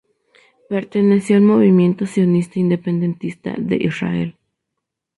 Perteneció al movimiento sionista independentista de Israel.